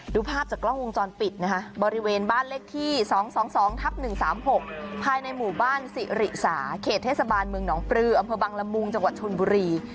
ดูภาพจากกล้องวงจรปิดนะคะบริเวณบ้านเลขที่๒๒๒ทับ๑๓๖ภายในหมู่บ้านสิริสาเขตเทศบาลเมืองหนองปลืออำเภอบังละมุงจังหวัดชนบุรี